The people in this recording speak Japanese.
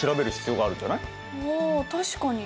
ああ確かに。